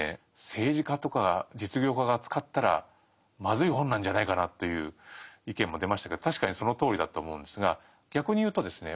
「政治家とか実業家が使ったらまずい本なんじゃないかな？」という意見も出ましたけど確かにそのとおりだと思うんですが逆に言うとですね